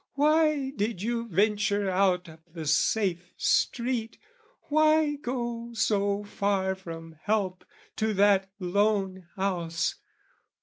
"Why did you venture out of the safe street? "Why go so far from help to that lone house?